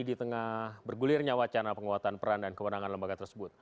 di tengah bergulirnya wacana penguatan peran dan kewenangan lembaga tersebut